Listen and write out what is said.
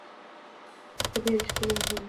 ته ډیره ښکلې او مهربانه یې.